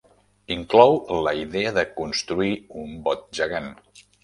Inclou la idea de construir un bot gegant.